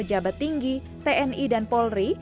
pejabat tinggi tni dan polri